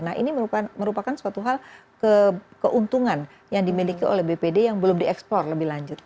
nah ini merupakan suatu hal keuntungan yang dimiliki oleh bpd yang belum dieksplor lebih lanjut